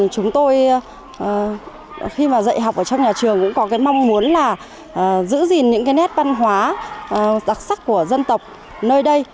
chúng tôi khi mà dạy học ở trong nhà trường cũng có cái mong muốn là giữ gìn những cái nét văn hóa đặc sắc của dân tộc nơi đây